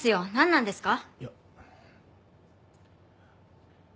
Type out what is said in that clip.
なんですか？